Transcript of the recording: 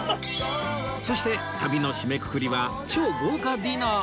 そして旅の締めくくりは超豪華ディナー！